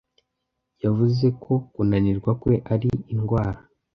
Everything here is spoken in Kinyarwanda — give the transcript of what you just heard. Yavuze ko kunanirwa kwe ari indwara.